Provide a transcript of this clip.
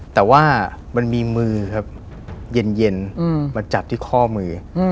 แต่ว่ามันมีมือครับเย็นมาจับที่ข้อมือ